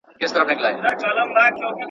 ما وې زه به تشوم پیالې د میو، نصیب نه وو